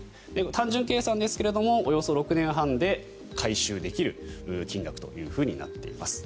単純計算ですがおよそ６年半で回収できる金額となっています。